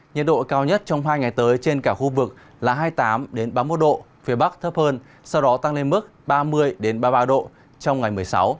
nhiệt độ cao nhất trong hai ngày tới trên cả khu vực là hai mươi tám ba mươi một độ phía bắc thấp hơn sau đó tăng lên mức ba mươi ba mươi ba độ trong ngày một mươi sáu